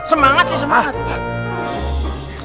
semangat di semangat